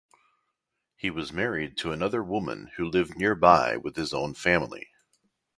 He was married to another woman who lived nearby with his own family.